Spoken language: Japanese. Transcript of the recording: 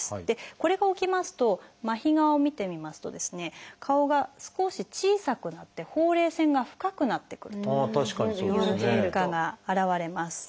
これが起きますと麻痺側を見てみますと顔が少し小さくなってほうれい線が深くなってくるという変化が現れます。